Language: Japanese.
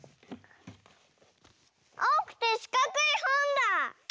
あおくてしかくいほんだ！